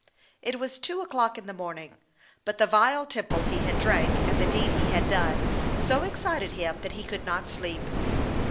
It was two o'clock in the morning ; but the vile tipple he had drank, and the deed he had done, so excited him that he could not sleep.